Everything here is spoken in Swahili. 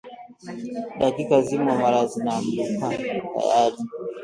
Dakika zimo, mara zinamruka tayari